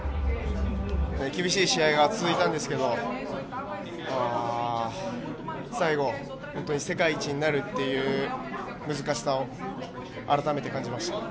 厳しい試合が続いたんですけど最後、本当に世界一になるという難しさを改めて感じました。